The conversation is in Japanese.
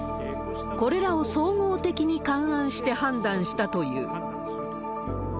これらを総合的に勘案して判断したという。